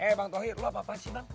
eh bang tauhir lu apa apa sih bang